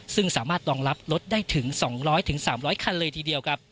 ซึ่งสามารถรองรับรถได้ถึง๒๐๐๓๐๐คันเลยทีเดียวครับ